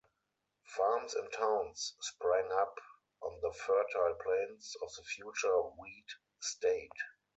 Farms and towns sprang up on the fertile plains of the future wheat state.